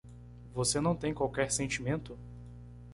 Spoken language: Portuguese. Você não tem qualquer sentimento?